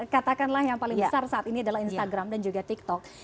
katakanlah yang paling besar saat ini adalah instagram dan juga tiktok